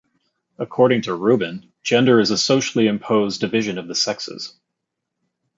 According to Rubin, Gender is a socially imposed division of the sexes.